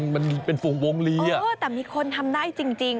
มันเป็นฝูงวงลีอ่ะแต่มีคนทำได้จริง